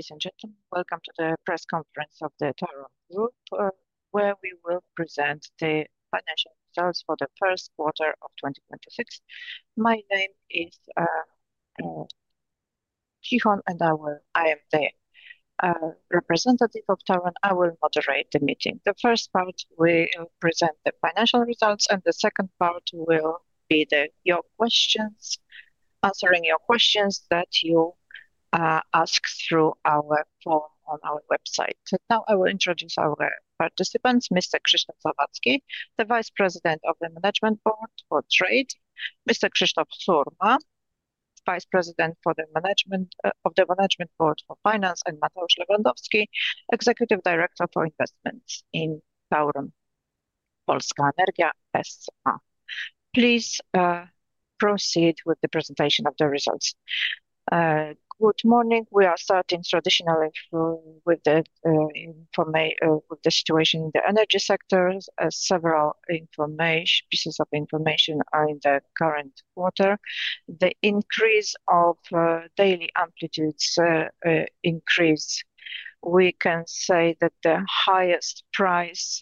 Ladies and gentlemen, welcome to the press conference of the TAURON Group, where we will present the financial results for the first quarter of 2026. My name is Sihon, and I am the representative of TAURON. I will moderate the meeting. The first part, we will present the financial results, and the second part will be answering your questions that you ask through our form on our website. Now I will introduce our participants: Mr. Krzysztof Śliwicki, the Vice President of the Management Board for Trade, Mr. Krzysztof Surma, Vice President of the Management Board for Finance, and Mateusz Lewandowski, Executive Director for Investments in TAURON Polska Energia S.A. Please proceed with the presentation of the results. Good morning. We are starting traditionally with the situation in the energy sector. Several pieces of information are in the current quarter. The increase of daily amplitudes. We can say that the highest price,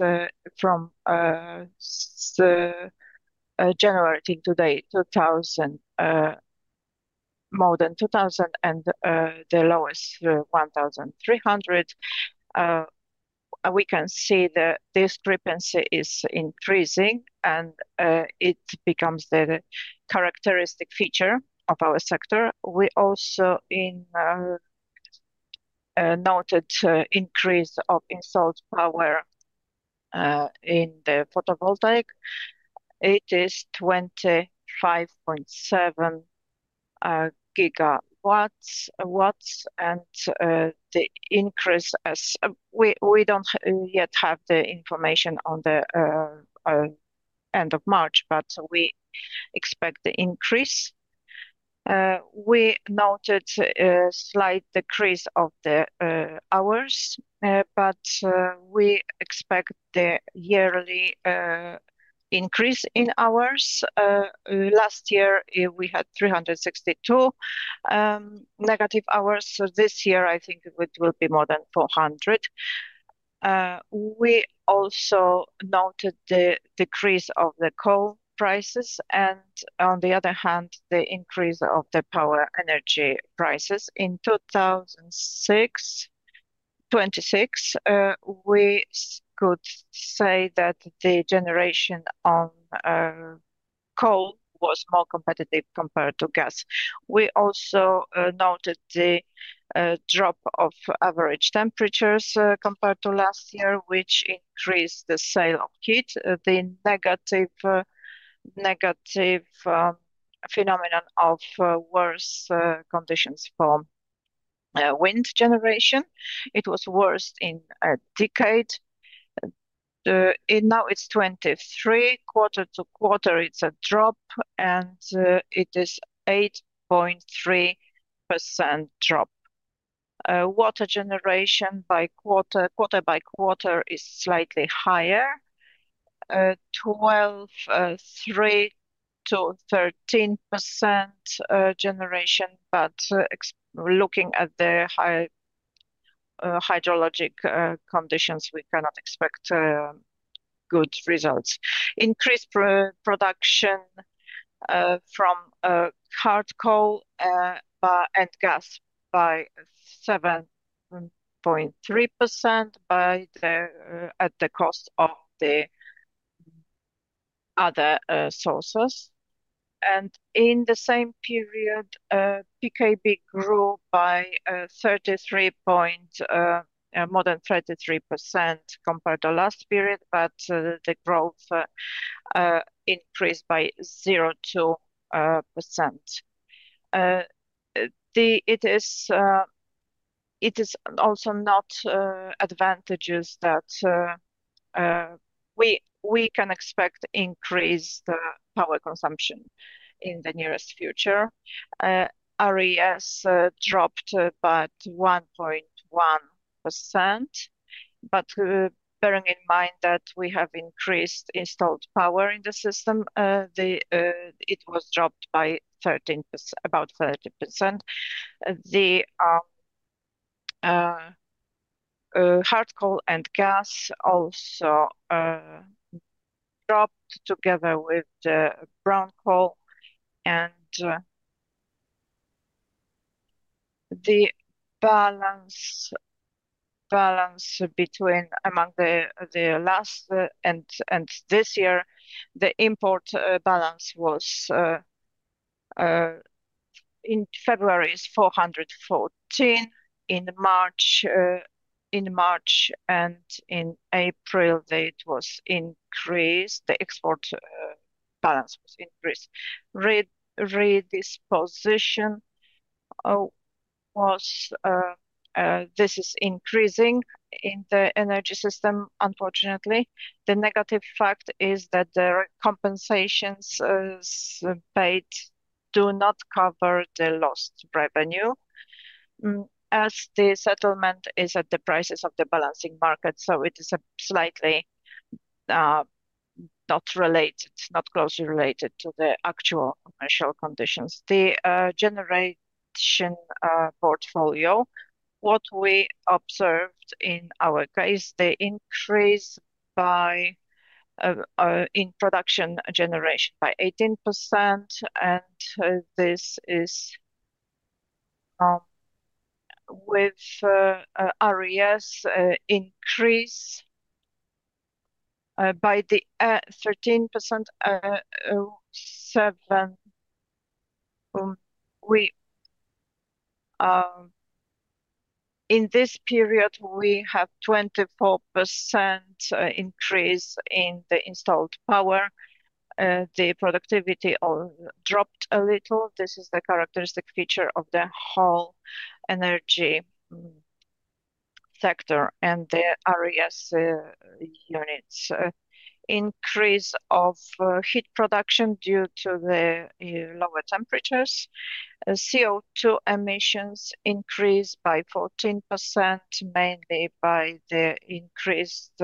from generating today, is more than 2,000, and the lowest is 1,300. We can see the discrepancy is increasing, and it becomes the characteristic feature of our sector. We also noted an increase of installed power in the photovoltaic. It is 25.7GW. We don't yet have the information on the end of March, but we expect the increase. We noted a slight decrease in the hours, but we expect the yearly increase in hours. Last year, we had 362 negative hours, so this year, I think it will be more than 400. We also noted the decrease of the coal prices and, on the other hand, the increase of the power and energy prices. In 2026, we could say that the generation on coal was more competitive compared to gas. We also noted the drop of average temperatures compared to last year, which increased the sale of heat. The negative phenomenon of worse conditions for wind generation. It was the worst in a decade. Now it's 23. Quarter-to-quarter, it's a drop, and it is an 8.3% drop. Water generation quarter by quarter is slightly higher, 12.3%-13% generation, but looking at the hydrologic conditions, we cannot expect good results. Increased production from hard coal and gas by 7.3% at the cost of the other sources. In the same period, PKB grew by more than 33% compared to the last period, but the growth increased by 0.2%. It is also not advantageous that we can expect increased power consumption in the nearest future. RES dropped by 1.1%, but bearing in mind that we have increased installed power in the system, it dropped by about 30%. The hard coal and gas also dropped together with the brown coal. The balance between the last and this year, the import balance in February is 414. In March and in April, the export balance was increased. Redisposition, this is increasing in the energy system, unfortunately. The negative fact is that the compensations paid do not cover the lost revenue, as the settlement is at the prices of the balancing market. It is slightly not closely related to the actual commercial conditions. The generation portfolio, what we observed in our case, showed an increase in production generation by 18%. This is with RES increased by 13.7%. In this period, we have a 24% increase in the installed power. The productivity dropped a little. This is the characteristic feature of the whole energy sector and the RES units. Increase of heat production due to the lower temperatures. CO₂ emissions increased by 14%, mainly by the increased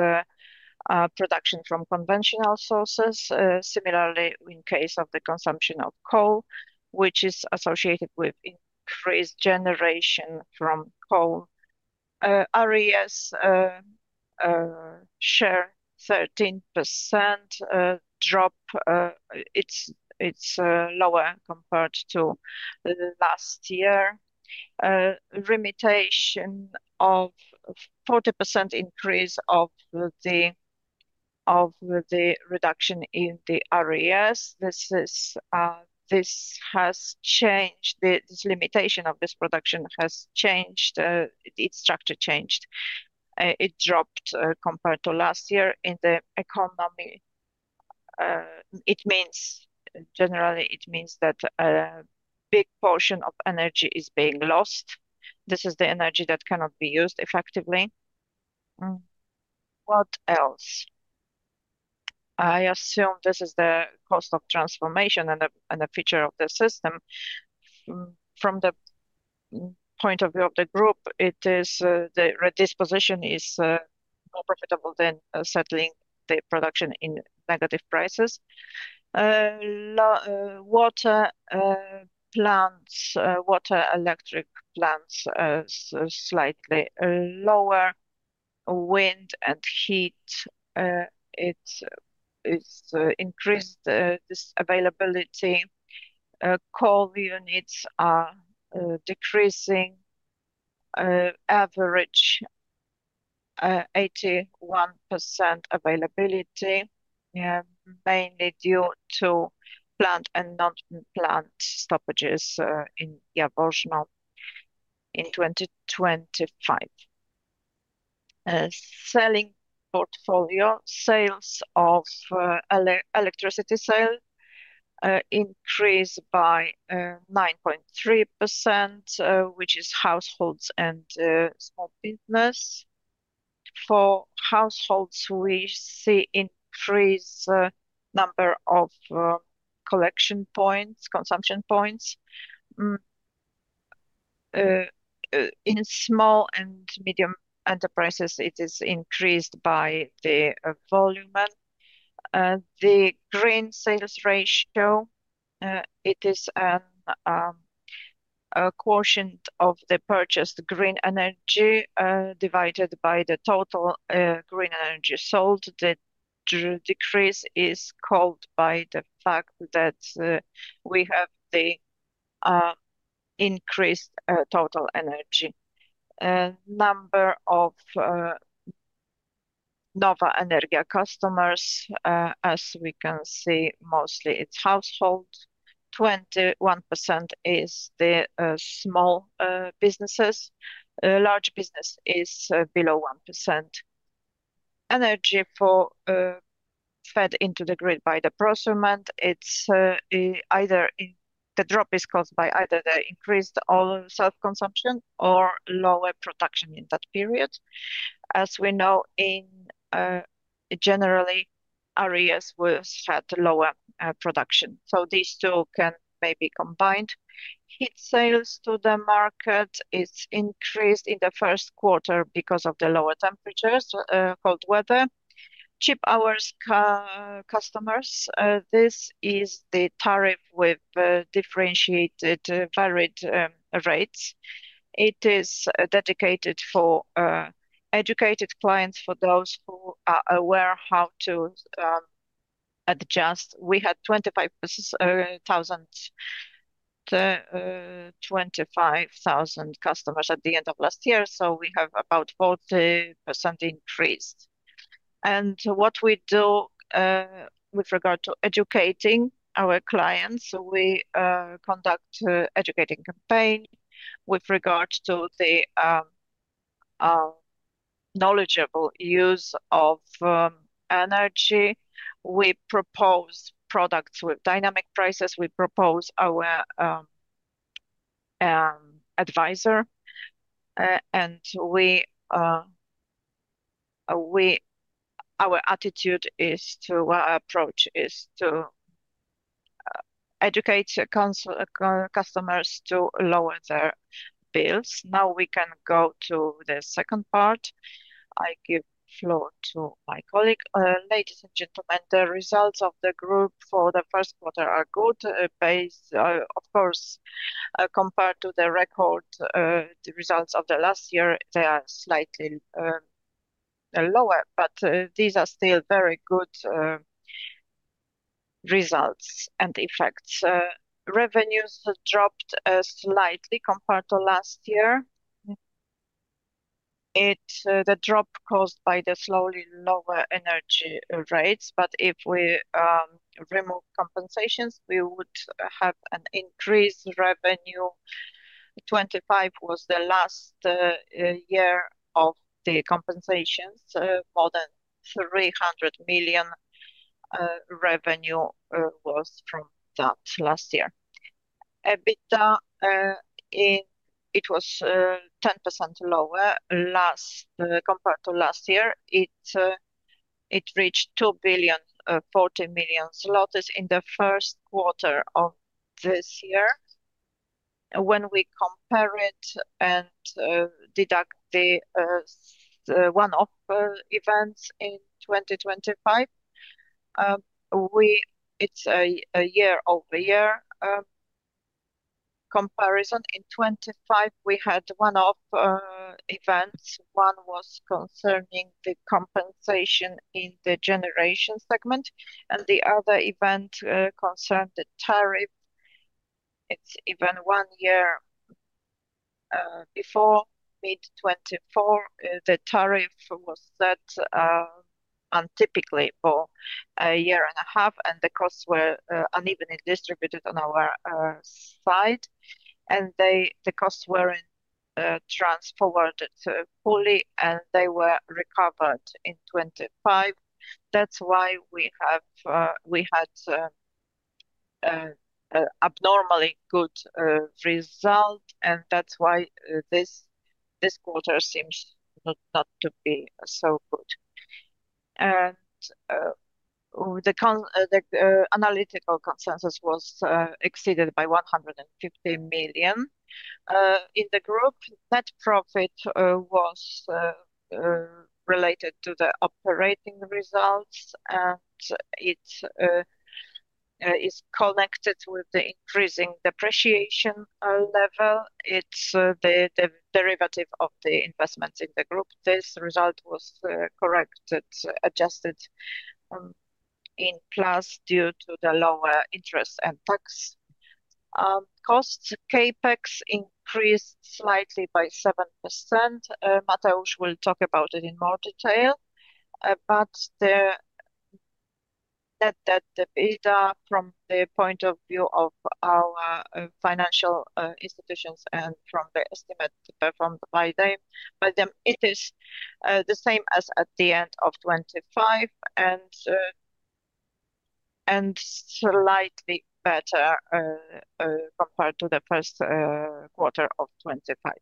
production from conventional sources. In case of the consumption of coal, which is associated with increased generation from coal. RES share, 13% drop. It's lower compared to last year. Limitation of 40% increase of the reduction in the RES. This limitation of this production, its structure, changed. It dropped compared to last year in the economy. It means that a big portion of energy is being lost. This is the energy that cannot be used effectively. What else? I assume this is the cost of transformation and a feature of the system. From the point of view of the group, the disposition is more profitable than settling the production at negative prices. Water electric plants are slightly lower. Wind and heat have increased this availability. Coal units are decreasing, averaging 81% availability, mainly due to plant and non-plant stoppages in Jaworzno in 2025. Selling portfolio. Electricity sales increased by 9.3%, which is households and small businesses. For households, we see an increased number of collection points and consumption points. In small and medium enterprises, it is increased by the volume. The green sales ratio is a quotient of the purchased green energy divided by the total green energy sold. The decrease is caused by the fact that we have the increased total energy. Number of Nowa Energia customers. As we can see, mostly it's households. 21% are the small businesses. Large businesses are below 1%. Energy is fed into the grid by the procurement, the drop is caused by either the increased own self-consumption or lower production in that period. As we know, generally, areas will have lower production. These two can maybe be combined. Heat sales to the market increased in the first quarter because of the lower temperatures and cold weather. Cheap Hours customers. This is the tariff with differentiated, varied rates. It is dedicated to educated clients, to those who are aware of how to adjust. We had 25,000 customers at the end of last year, so we have about a 40% increase. What we do with regard to educating our clients is conduct an educational campaign with regard to the knowledgeable use of energy. We propose products with dynamic prices. We propose our advisor. Our approach is to educate customers to lower their bills. Now we can go to the second part. I give the floor to my colleague. Ladies and gentlemen, the results of the Group for the first quarter are good. Of course, compared to the record, the results of last year, they are slightly lower, but these are still very good results and effects. Revenues dropped slightly compared to last year. The drop was caused by the slowly lower energy rates, but if we removed compensations, we would have an increased revenue. 2025 was the last year of the compensations. More than 300 million revenue was from that last year. EBITDA was 10% lower compared to last year. It reached 2.04 billion in the first quarter of this year. When we compare it and deduct the one-off events in 2025, it's a year-over-year comparison. In 2025, we had one-off events. One was concerning the compensation in the generation segment, and the other event concerned the tariff. It is even one year before mid-2024, the tariff was set untypically for a year and a half. The costs were unevenly distributed on our side. The costs were not transferred fully, and they were recovered in 2025. That is why we had abnormally good results, and that is why this quarter seems not to be so good. The analytical consensus was exceeded by 150 million. In the group, net profit was related to the operating results, and it is connected with the increasing depreciation level. It is the derivative of the investments in the group. This result was corrected and adjusted upward due to the lower interest and tax. Costs, CapEx increased slightly by 7%. Mateusz will talk about it in more detail. The EBITDA from the point of view of our financial institutions and from the estimate performed by them, it is the same as at the end of 2025 and slightly better compared to the first quarter of 2025.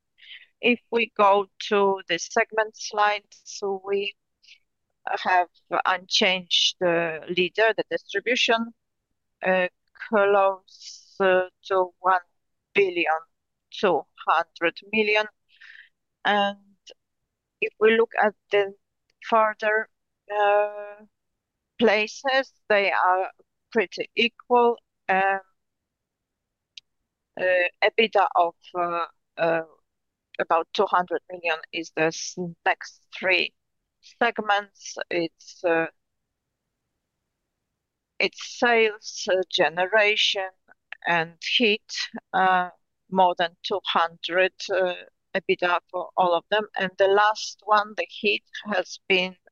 If we go to the segment slide. We have an unchanged leader, the distribution is close to 1.2 billion. If we look at the further places, they are pretty equal. EBITDA of about 200 million is in these next three segments. It is sales, generation, and heat—more than 200 EBITDA for all of them. The last one, the heat, has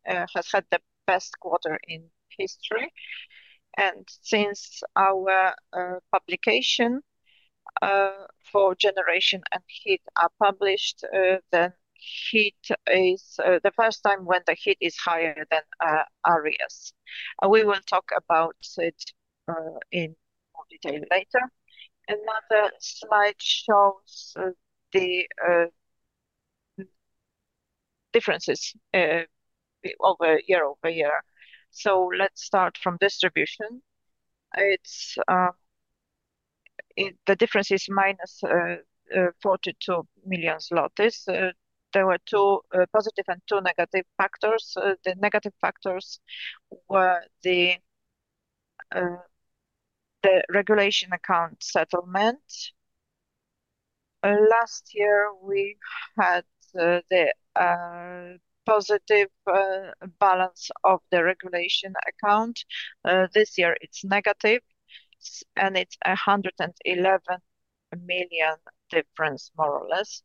had the best quarter in history. Since our publication for generation and heat is published, the first time is when the heat is higher than generation. We will talk about it in more detail later. Another slide shows the differences year-over-year. Let's start from distribution. The difference is 42 million zlotys. There were two positive and two negative factors. The negative factor was the regulation account settlement. Last year, we had the positive balance of the regulation account. This year, it's negative, and it's a 111 million difference, more or less.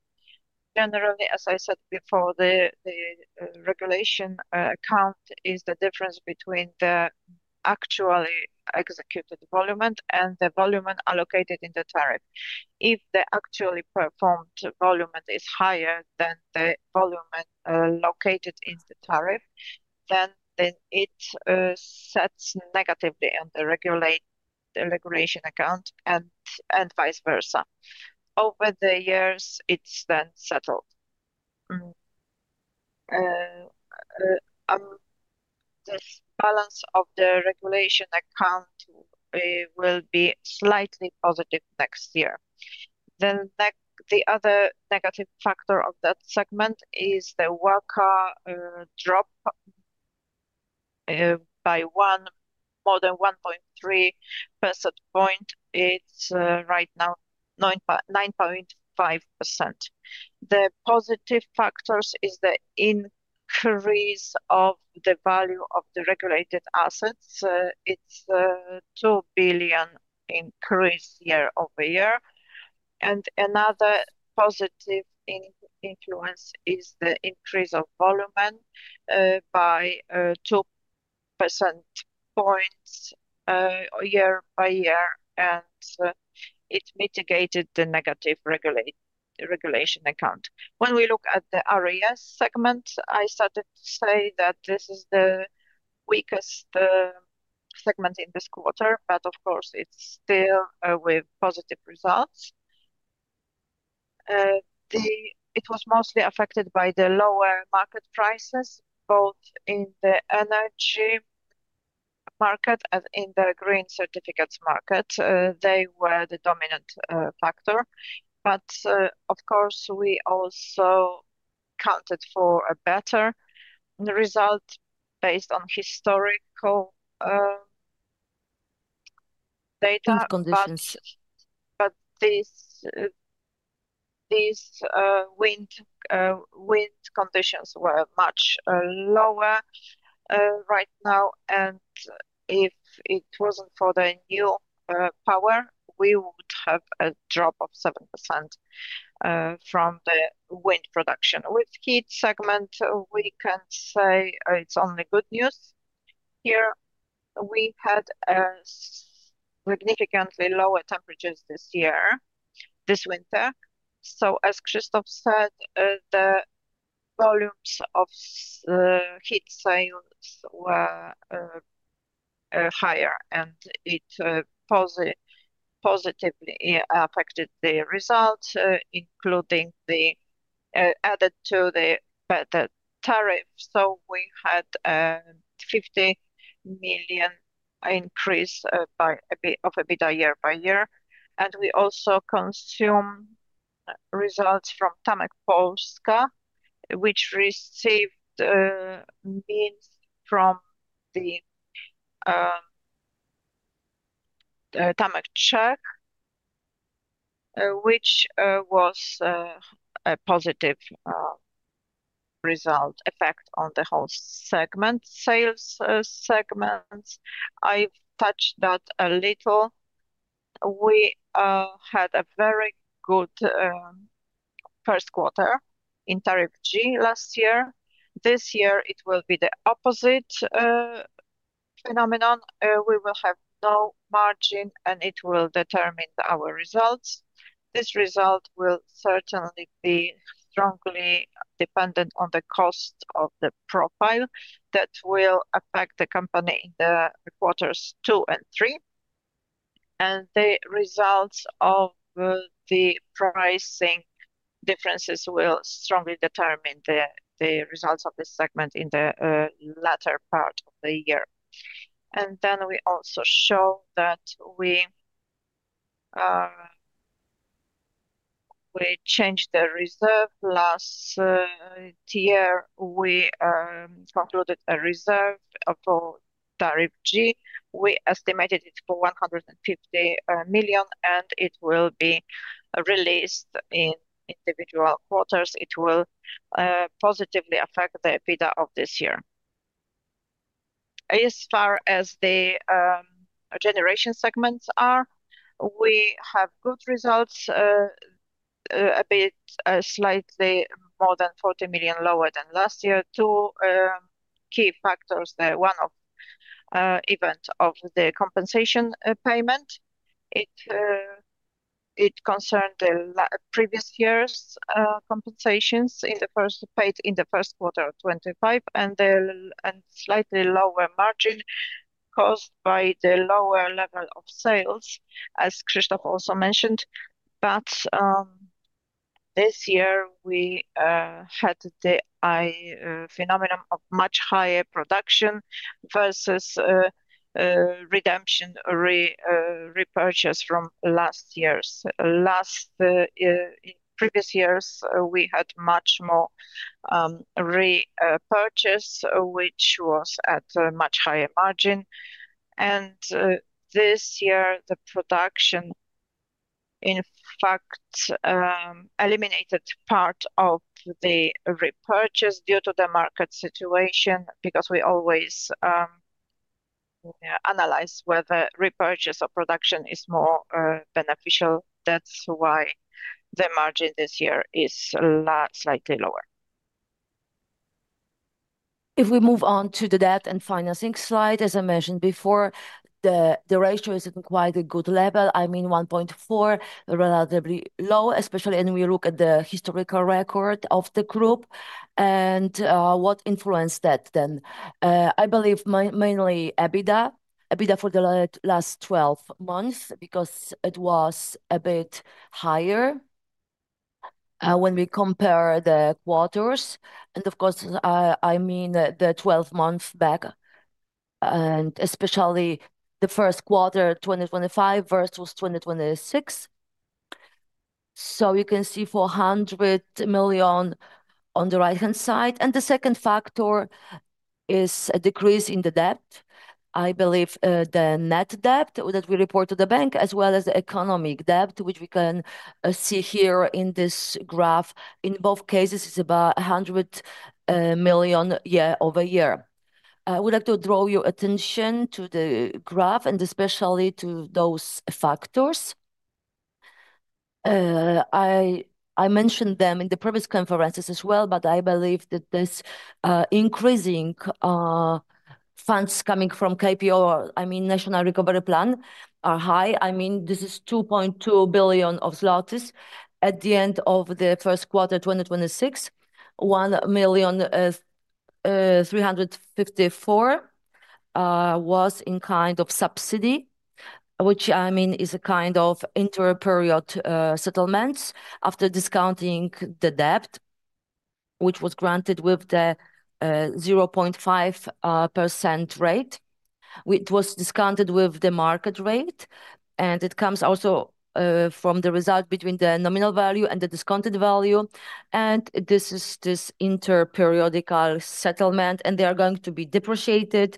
Generally, as I said before, the regulation account is the difference between the actually executed volume and the volume allocated in the tariff. If the actually performed volume is higher than the volume allocated in the tariff, it sets negatively on the regulation account and vice versa. Over the years, it's then settled down. This balance of the regulation account will be slightly positive next year. The other negative factor of that segment is the WACC drop by more than 1.3 percentage points. It's right now 9.5%. The positive factor is the increase of the value of the regulated assets. It's a PLN 2 billion increase year-over-year. Another positive influence is the increase of volume by two percentage points year by year, and it mitigated the negative regulation account. When we look at the areas segment, I started to say that this is the weakest segment in this quarter, but of course, it's still with positive results. It was mostly affected by the lower market prices, both in the energy market and in the green certificates market. They were the dominant factor. Of course, we also accounted for a better result based on historical data. These wind conditions were much lower right now. If it weren't for the new power, we would have a drop of 7% from the wind production. With the heat segment, we can say it's only good news. Here, we had significantly lower temperatures this year, this winter. As Krzysztof said, the volumes of heat sales were higher, and it positively affected the results, including the addition to the tariff. We had a 50 million increase of EBITDA year-over-year. We also consume results from TAURON Polska, which received means from TAURON Czech, which was a positive result effect on the whole sales segments. I've touched that a little. We had a very good first quarter in tariff G last year. This year it will be the opposite phenomenon. We will have no margin, and it will determine our results. This result will certainly be strongly dependent on the cost of the profile that will affect the company in quarters two and three. The results of the pricing differences will strongly determine the results of this segment in the latter part of the year. We also show that we changed the reserve. Last year, we concluded a reserve for tariff G. We estimated it for 150 million. It will be released in individual quarters. It will positively affect the EBITDA of this year. As far as the generation segments are concerned, we have good results, a bit slightly more than 40 million lower than last year. two key factors there. One event of the compensation payment. It concerned the previous year's compensations paid in the first quarter of 2025. Slightly lower margin caused by the lower level of sales, as Krzysztof also mentioned. This year, we had the phenomenon of much higher production versus redemption repurchase from last year. In previous years, we had much more repurchase, which was at a much higher margin. This year, the production, in fact, eliminated part of the repurchase due to the market situation because we always analyze whether repurchase or production is more beneficial. That's why the margin this year is slightly lower. We move on to the debt and financing slide, as I mentioned before, the ratio is at quite a good level. I mean, 1.4, relatively low, especially when we look at the historical record of the group. What influenced that then? I believe mainly EBITDA for the last 12 months, because it was a bit higher when we compare the quarters, and of course, I mean the 12 months back, and especially the first quarter of 2025 versus 2026. You can see 400 million on the right-hand side. The second factor is a decrease in the debt. I believe the net debt that we report to the bank as well as the economic debt, which we can see here in this graph. In both cases, it's about 100 million, yeah, year-over-year. I would like to draw your attention to the graph and especially to those factors. I mentioned them in the previous conferences as well. I believe that these increasing funds coming from KPO, I mean, the National Recovery Plan, are high. This is 2.2 billion zlotys. At the end of the first quarter of 2026, 1.354 million was in a kind of subsidy, which is a kind of inter-period settlement after discounting the debt, which was granted with the 0.5% rate. It was discounted with the market rate, it also comes from the result between the nominal value and the discounted value. This is the interperiodical settlement, they are going to be depreciated,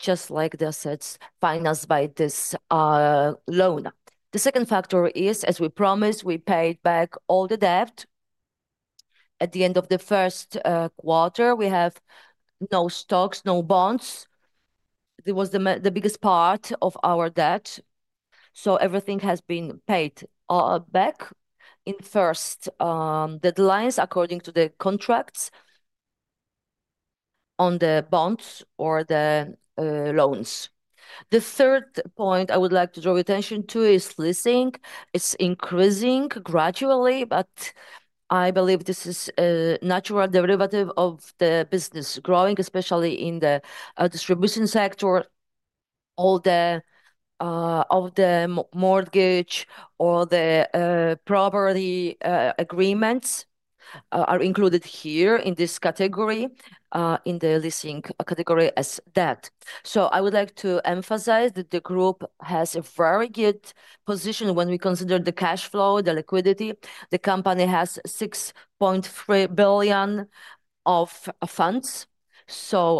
just like the assets financed by this loan. The second factor is, as we promised, we paid back all the debt. At the end of the first quarter, we have no stocks and no bonds. It was the biggest part of our debt. Everything has been paid back in the first deadlines, according to the contracts on the bonds or the loans. The third point I would like to draw attention to is leasing. It's increasing gradually, but I believe this is a natural derivative of the business growing, especially in the distribution sector. All the mortgages and all the property agreements are included here in this category, in the leasing category, as debt. I would like to emphasize that the group has a very good position when we consider the cash flow and the liquidity. The company has 6.3 billion of funds.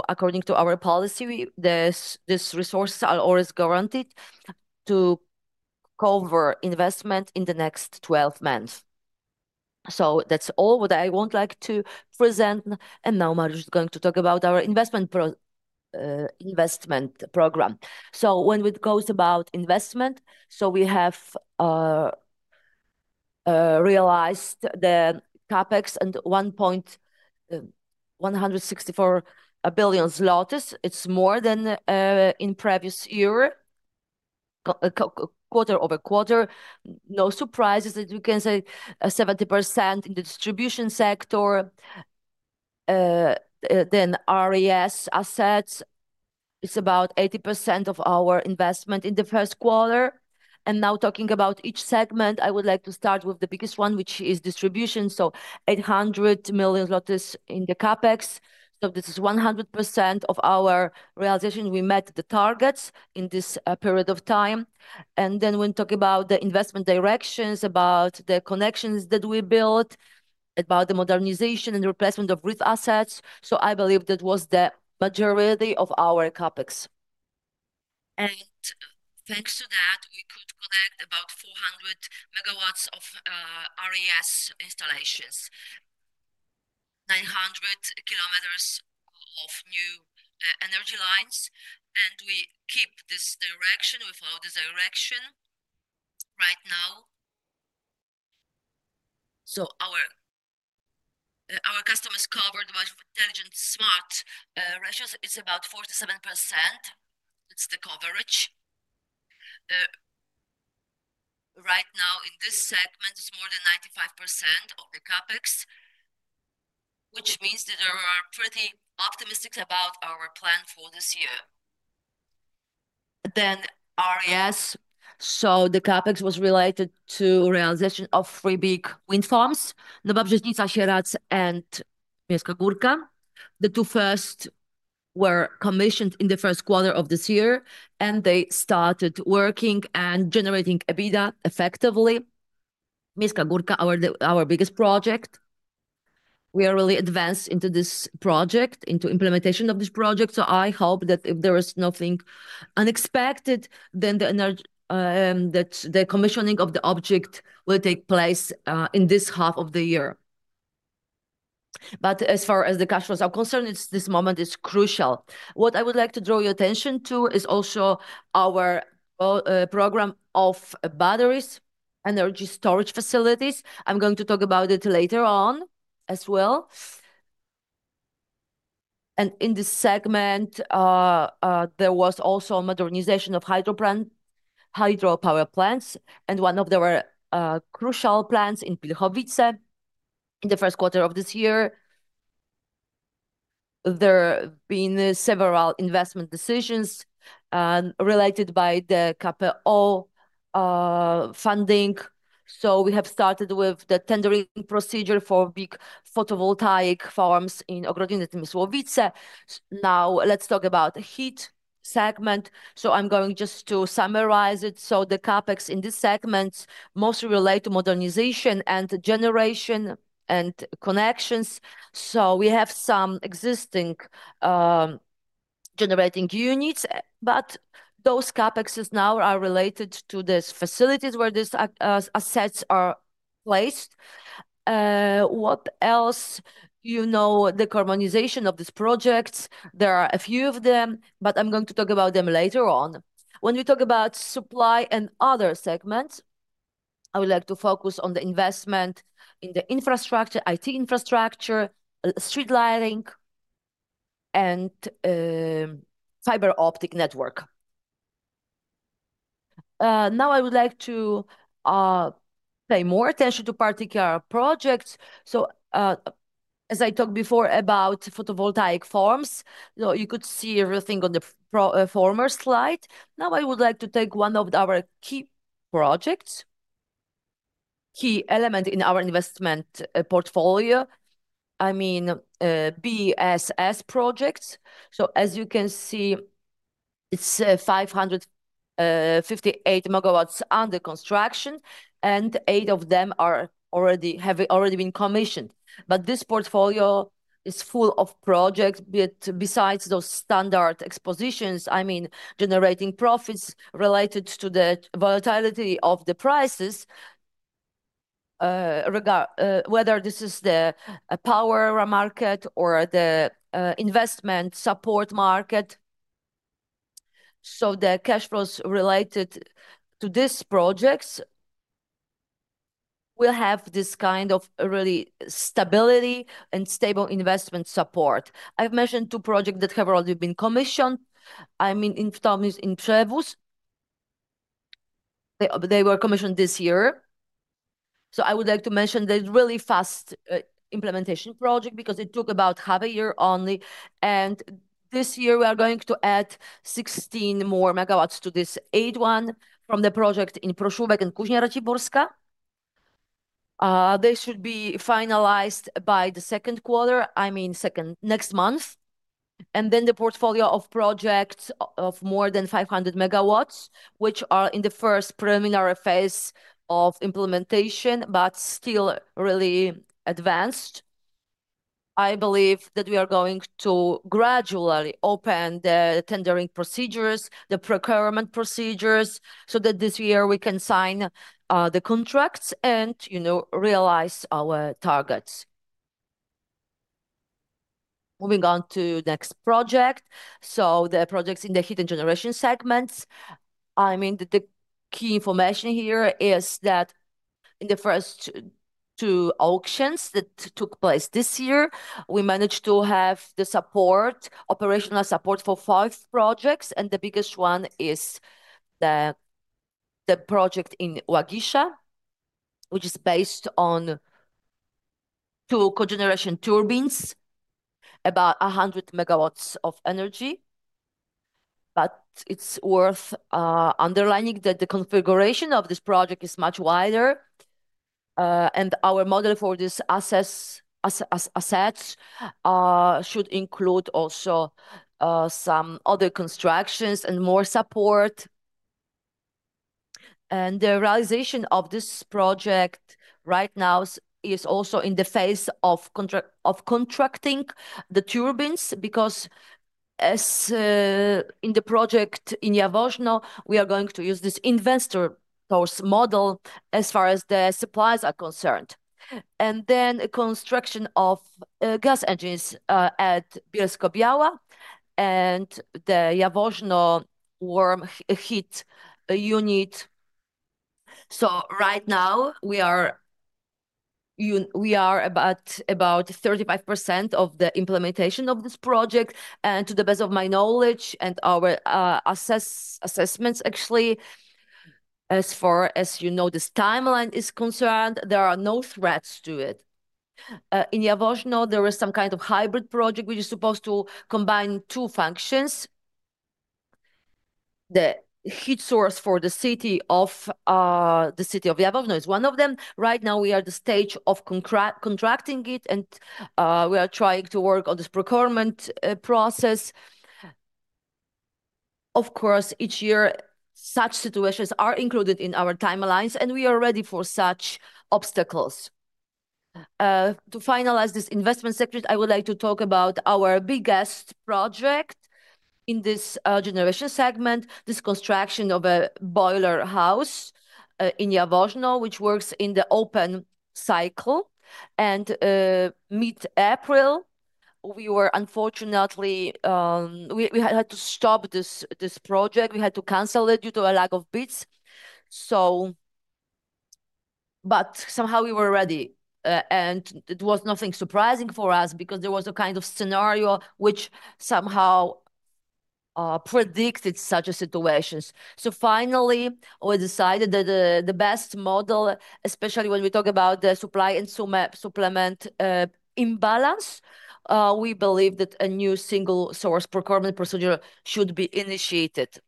According to our policy, these resources are always guaranteed to cover investment in the next 12 months. That's all that I would like to present. Now Mateusz Lewandowski is going to talk about our investment program. When it goes about investment, we have realized the CapEx and 1.164 billion zlotys. It's more than in the previous year, quarter-over-quarter. No surprises that we can say 70% in the distribution sector. RES assets, it's about 80% of our investment in the first quarter. Now talking about each segment, I would like to start with the biggest one, which is distribution. 800 million in the CapEx. This is 100% of our realization. We met the targets in this period of time. When talking about the investment directions, about the connections that we built, and about the modernization and replacement of grid assets. I believe that was the majority of our CapEx. Thanks to that, we could connect about 400MW of RES installations and 900km of new energy lines, and we keep this direction. We follow this direction right now. Our customers covered by intelligent, smart ratios are about 47%. It's the coverage. Right now in this segment, it's more than 95% of the CapEx, which means that we are pretty optimistic about our plan for this year. RES. The CapEx was related to the realization of three big wind farms: Nowa Brzeźnica, Sieradz, and Mieszkowice. The first two were commissioned in the first quarter of this year, and they started working and generating EBITDA effectively. Mieszkowice, our biggest project. We are really advanced in this project, in the implementation of this project. I hope that if there is nothing unexpected, the commissioning of the object will take place in this half of the year. As far as the cash flows are concerned, this moment is crucial. What I would like to draw your attention to is also our program of batteries and energy storage facilities. I am going to talk about it later on as well. In this segment, there was also a modernization of hydropower plants, including one of the crucial plants in Pilchowice in the first quarter of this year. There have been several investment decisions related to the KPO funding. We have started with the tendering procedure for big photovoltaic farms in Ogrodzieniec, Sławice. Let's talk about the heat segment. I'm going just to summarize it. The CapEx in this segment mostly relates to modernization and generation and connections. We have some existing generating units, those CapExes now are related to these facilities where these assets are placed. What else? The decarbonization of these projects. There are a few of them, I'm going to talk about them later on. When we talk about supply and other segments, I would like to focus on the investment in the infrastructure, IT infrastructure, street lighting, and fiber optic network. I would like to pay more attention to particular projects. As I talked before about photovoltaic farms, you could see everything on the former slide. I would like to take one of our key projects, a key element in our investment portfolio. I mean, BESS projects. As you can see, it's 558MW under construction, and eight of them have already been commissioned. This portfolio is full of projects besides those standard expositions. I mean, generating profits related to the volatility of the prices, whether this is the power market or the investment support market. The cash flows related to these projects will have this kind of real stability and stable investment support. I've mentioned two projects that have already been commissioned. I mean, in Tomice and Przewóz. They were commissioned this year. I would like to mention that it's a really fast implementation project because it took about half a year only, and this year we are going to add 16MW or more to this 8MW from the project in Proszówka and Kuźnia Raciborska. They should be finalized by the second quarter, I mean, the second month from now. Then the portfolio of projects of more than 500MW, which are in the first preliminary phase of implementation but still really advanced. I believe that we are going to gradually open the tendering procedures, the procurement procedures, so that this year we can sign the contracts and realize our targets. Moving on to the next project. The projects in the heat and generation segments. The key information here is that in the first two auctions that took place this year, we managed to have the support, operational support for five projects, and the biggest one is the project in Łagisza, which is based on two cogeneration turbines, about 100MW of energy. It's worth underlining that the configuration of this project is much wider. Our model for these assets should also include some other constructions and more support. The realization of this project right now is also in the phase of contracting the turbines because, as in the project in Jaworzno, we are going to use this investor source model as far as the supplies are concerned. Construction of gas engines at Bielsko-Biała and the Jaworzno warm heat unit. Right now, we are about 35% of the implementation of this project, and to the best of my knowledge and our assessments, actually, as far as you know, this timeline is concerned, there are no threats to it. In Jaworzno, there is some kind of hybrid project that is supposed to combine two functions. The heat source for the city of Jaworzno is one of them. Right now, we are at the stage of contracting it, and we are trying to work on this procurement process. Of course, each year, such situations are included in our timelines, and we are ready for such obstacles. To finalize this investment sector, I would like to talk about our biggest project in this generation segment: the construction of a boiler house in Jaworzno, which works in the open cycle. Mid-April, we had to stop this project. We had to cancel it due to a lack of bids. Somehow we were ready. It was nothing surprising for us because there was a kind of scenario that predicted such situations. Finally, we decided that the best model, especially when we talk about the supply and supplement imbalance, is that a new single-source procurement procedure should be initiated.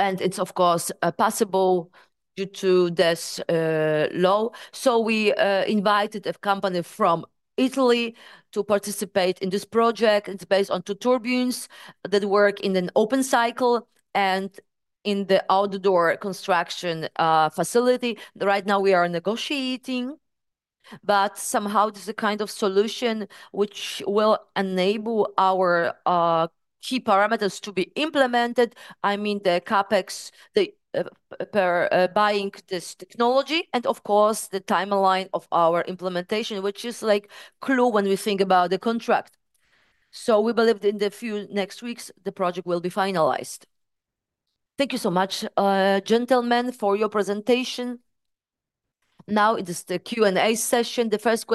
It's of course possible due to this law. We invited a company from Italy to participate in this project. It's based on two turbines that work in an open cycle and in the outdoor construction facility. Right now we are negotiating, but somehow this is the kind of solution that will enable our key parameters to be implemented. I mean, the CapEx, buying this technology, and of course the timeline of our implementation, which is a clue when we think about the contract. We believe in the few next weeks the project will be finalized. Thank you so much, gentlemen, for your presentation. Now it is the Q&A session. The first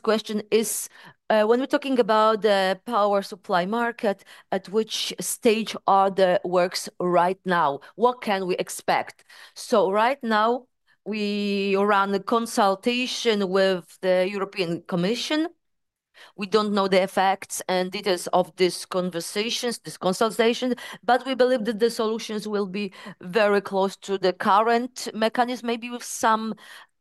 question is, When we're talking about the power supply market, at which stage are the works right now? What can we expect? Right now we are in the consultation with the European Commission. We don't know the effects and details of these conversations and this consultation, but we believe that the solutions will be very close to the current mechanism, maybe with some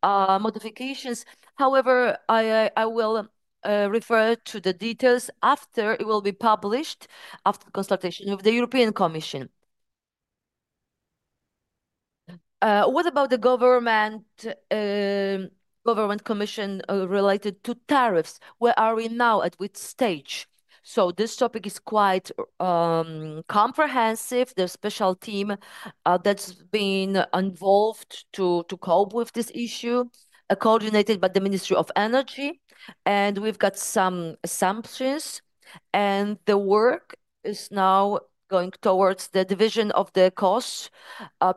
modifications. However, I will refer to the details after it is published after consultation with the European Commission. What about the government commission related to tariffs? Where are we now? At which stage? This topic is quite comprehensive. There's a special team that's been involved to cope with this issue, coordinated by the Ministry of Energy, and we've got some assumptions. The work is now going towards the division of the costs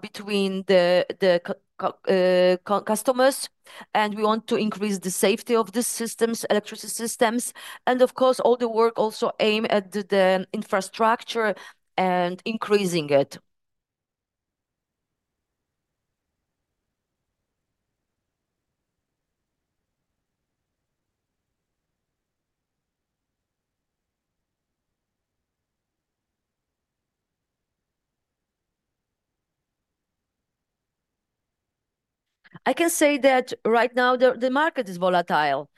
between the customers, and we want to increase the safety of the systems, electricity systems, and, of course, all the work also aims at the infrastructure and increasing it. I can say that right now the market is volatile.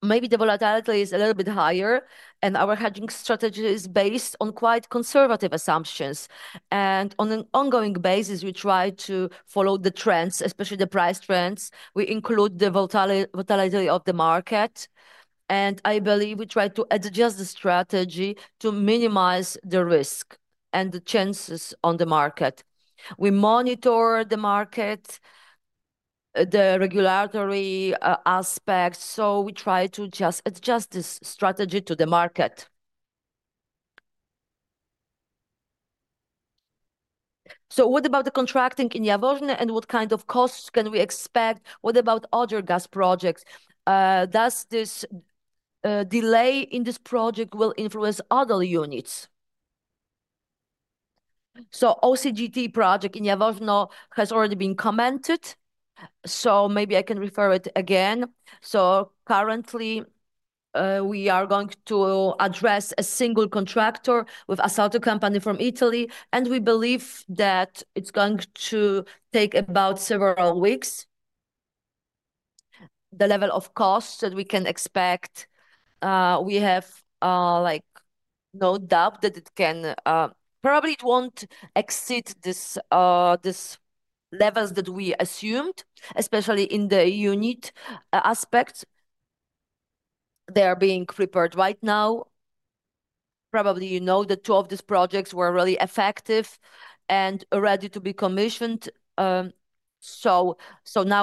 Maybe the volatility is a little bit higher, and our hedging strategy is based on quite conservative assumptions. On an ongoing basis, we try to follow the trends, especially the price trends. We include the volatility of the market, and I believe we try to adjust the strategy to minimize the risk and the chances in the market. We monitor the market and the regulatory aspects, so we try to adjust this strategy to the market. What about the contracting in Jaworzno, and what kind of costs can we expect? What about other gas projects? Will this delay in this project influence other units? The OCGT project in Jaworzno has already been commented on; maybe I can refer to it again. Currently, we are going to address a single contractor, Ansaldo Energia, from Italy, and we believe that it's going to take about several weeks. The level of costs that we can expect, we have no doubt, won't exceed these levels that we assumed, especially in the unit aspect. They are being prepared right now. Probably you know two of these projects were really effective and ready to be commissioned. Now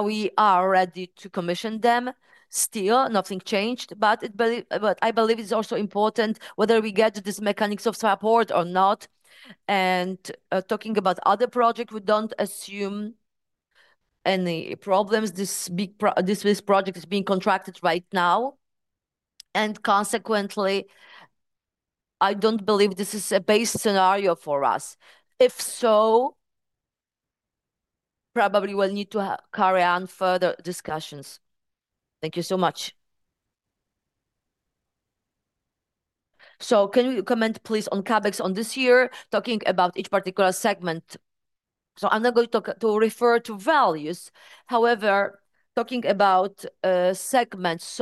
we are ready to commission them still. Nothing changed. I believe it's also important whether we get these mechanics of support or not. Talking about other projects, we don't anticipate any problems. This project is being contracted right now, consequently, I don't believe this is a base scenario for us. If so, probably we'll need to carry on further discussions. Thank you so much. Can you comment, please, on CapEx this year, talking about each particular segment? I'm not going to refer to values. Talking about segments,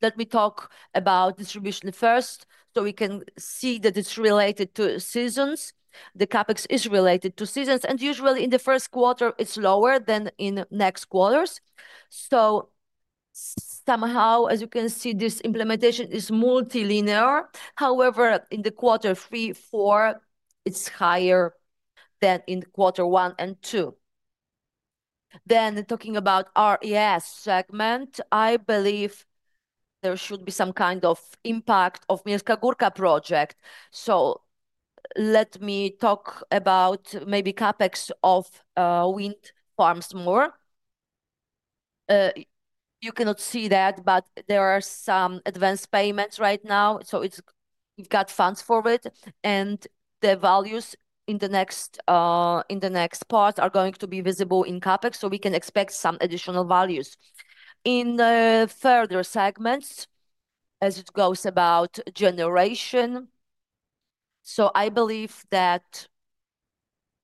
let me talk about distribution first. We can see that it's related to seasons. The CapEx is related to seasons, usually in the first quarter it's lower than in the next quarters. Somehow, as you can see, this implementation is multilinear. In quarters three and four, it's higher than in quarters one and two. Talking about the RES segment, I believe there should be some kind of impact of the Miejska Górka project. Let me talk about maybe CapEx of wind farms more. You cannot see that, but there are some advanced payments right now, so we've got funds for it, and the values in the next part are going to be visible in CapEx, so we can expect some additional values. In the further segments, as it goes about generation, I believe that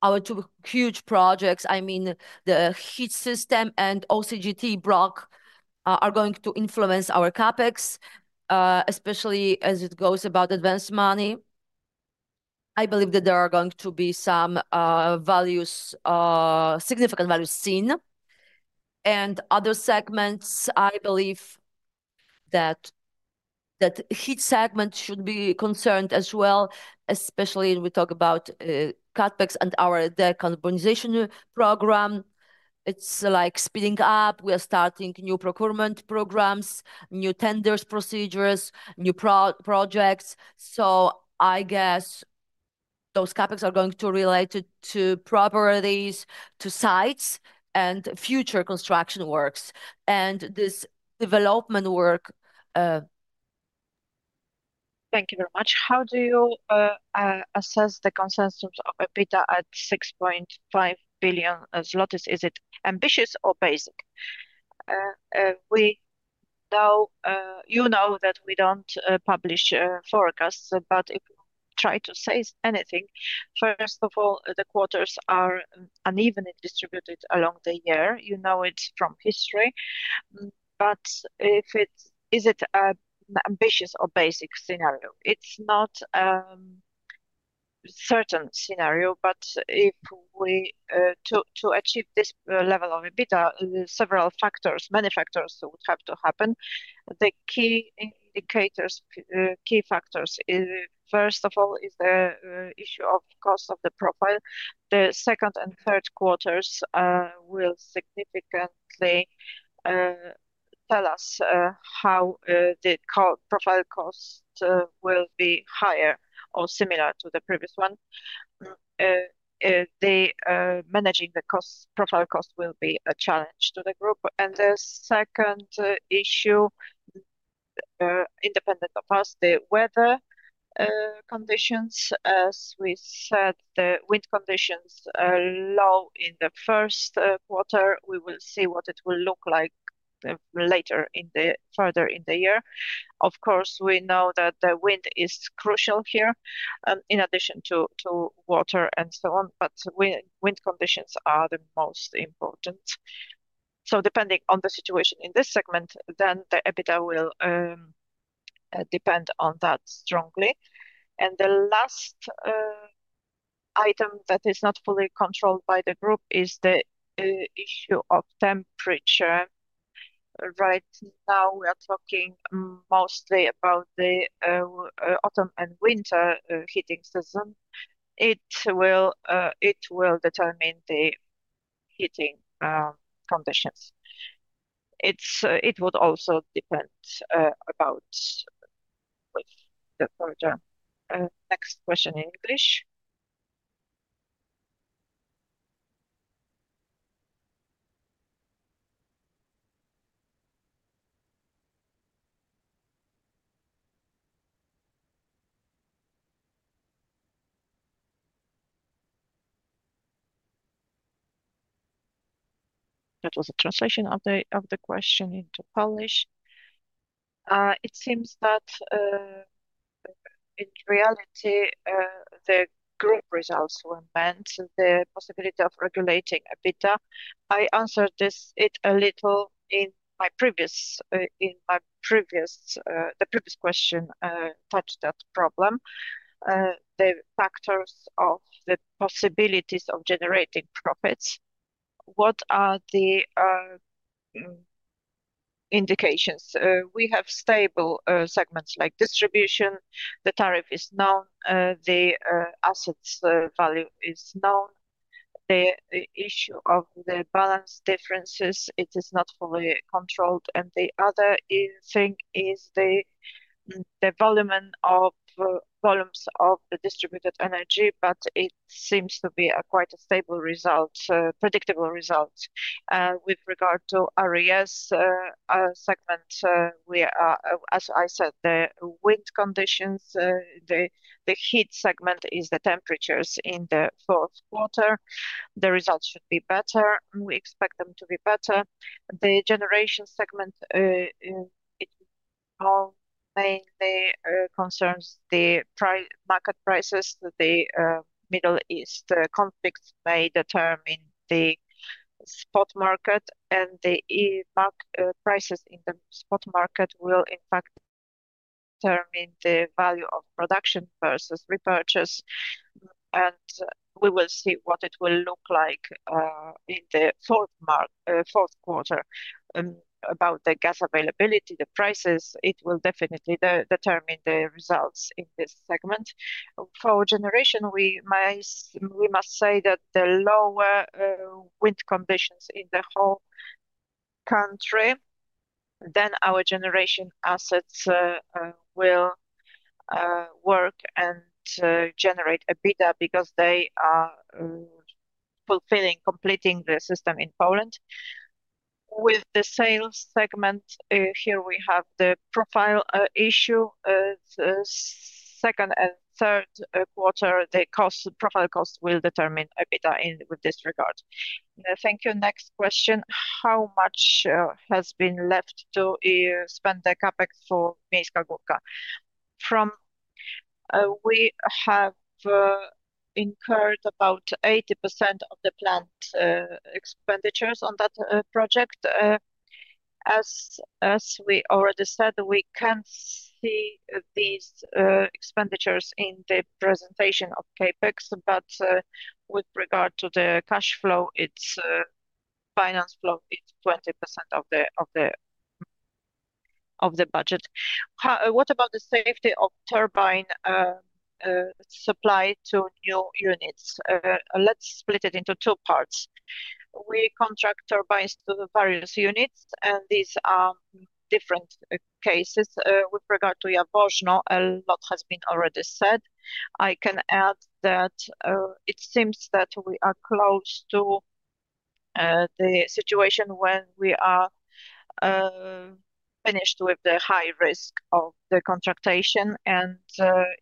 our two huge projects, the heat system and OCGT block, are going to influence our CapEx, especially as it goes about advanced money. I believe that there are going to be some significant values seen. Other segments: I believe that the heat segment should be concerned as well, especially if we talk about CapEx and their decarbonization program. It's speeding up. We are starting new procurement programs, new tender procedures, and new projects. I guess those CapEx are going to relate to properties, to sites, to future construction works, and to this development work. Thank you very much. How do you assess the consensus of EBITDA at 6.5 billion zlotys? Is it ambitious or basic? You know that we don't publish forecasts, but if we try to say anything, first of all, the quarters are unevenly distributed along the year. You know it from history. Is it an ambitious or basic scenario? It's not a certain scenario, but to achieve this level of EBITDA, many factors would have to happen. The key factor, first of all, is the issue of the cost of the profile. The second and third quarters will significantly tell us how the profile cost will be higher or similar to the previous one. Managing the profile cost will be a challenge to the group. The second issue is independent of us: the weather conditions, as we said, the wind conditions are low in the first quarter. We will see what it will look like later, further in the year. Of course, we know that the wind is crucial here, in addition to water and so on, but wind conditions are the most important. Depending on the situation in this segment, the EBITDA will depend on that strongly. The last item that is not fully controlled by the group is the issue of temperature. Right now, we are talking mostly about the autumn and winter heating system. It will determine the heating conditions. It would also depend on the weather. Next question in English. That was a translation of the question into Polish. It seems that, in reality, the group results will invent the possibility of regulating EBITDA. I answered it a little in my previous answer. The previous question touched that problem. The factors of the possibilities of generating profits. What are the indications? We have stable segments, like distribution. The tariff is known. The asset's value is known. The issue of the balance differences is not fully controlled. The other thing is the volumes of the distributed energy, but it seems to be quite a stable result, a predictable result. With regard to the RES segment, as I said, the wind conditions are the heat segment, which is the temperatures in the fourth quarter. The results should be better. We expect them to be better. The generation segment mainly concerns the market prices. The Middle East conflict may determine the spot market, and the prices in the spot market will, in fact, determine the value of production versus repurchase. We will see what it will look like in the fourth quarter about the gas availability and the prices. It will definitely determine the results in this segment. For generations, we must say that the lower wind conditions are in the whole country. Our generation assets will work and generate EBITDA, because they are completing the system in Poland. With the sales segment, here we have the profile issue. Second and third quarters, the profile cost will determine EBITDA in this regard. Thank you. Next question. How much has been left to spend the CapEx for Miejska Górka? We have incurred about 80% of the planned expenditures on that project. As we already said, we can't see these expenditures in the presentation of CapEx, but with regard to the cash flow, its finance flow is 20% of the budget. What about the safety of turbine supply to new units? Let's split it into two parts. We contract turbines to the various units, and these are different cases. With regard to Jaworzno, a lot has already been said. I can add that it seems that we are close to the situation when we are finished with the high risk of the contract, and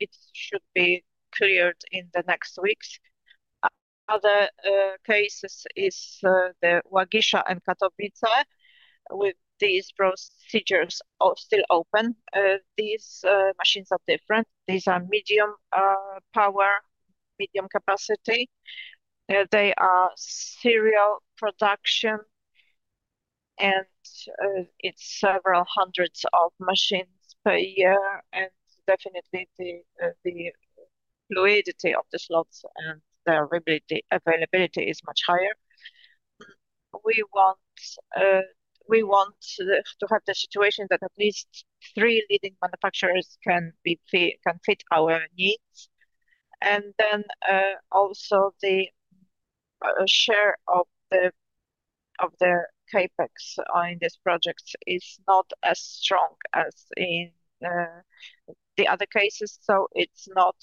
it should be cleared in the next weeks. Other cases are the Łagisza and Katowice, with these procedures still open. These machines are different. These are medium power and medium capacity. They are serial production, and it's several hundreds of machines per year. Definitely, the fluidity of the slots and the availability are much higher. Then, also, the share of the CapEx in this project is not as strong as in the other cases, so it's not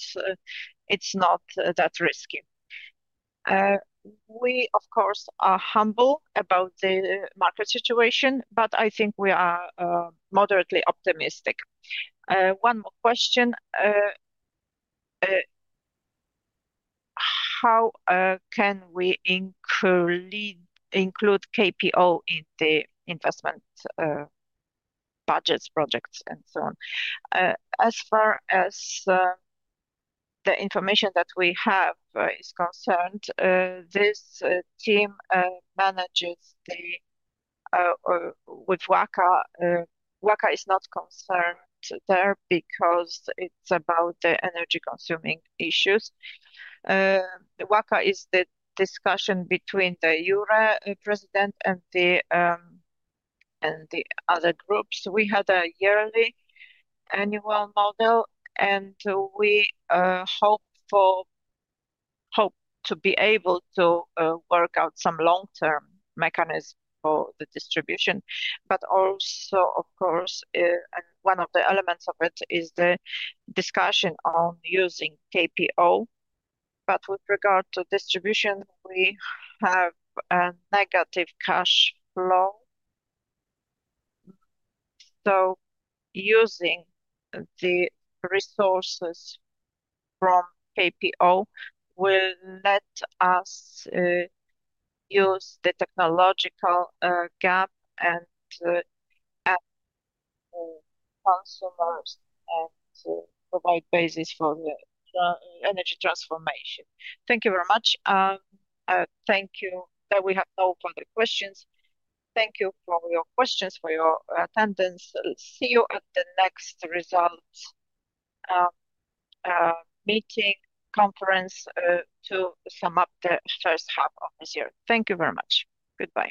that risky. We, of course, are humble about the market situation, but I think we are moderately optimistic. One more question. How can we include KPO in the investment budgets, projects, and so on? As far as the information that we have is concerned, this team manages with WACC. WACC is not concerned there because it's about the energy-consuming issues. WACC is the discussion between the URE president and the other groups. We had a yearly model, and we hope to be able to work out some long-term mechanism for the distribution. Also, of course, one of the elements of it is the discussion on using KPO. With regard to distribution, we have a negative cash flow. Using the resources from KPO will let us use the technological gap and add consumers and provide a basis for the energy transformation. Thank you very much. Thank you. We have no further questions. Thank you for your questions and for your attendance. See you at the next results meeting and conference to sum up the first half of this year. Thank you very much. Goodbye.